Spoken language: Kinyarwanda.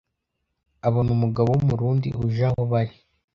abona umugabo w’umurundi uje aho bari,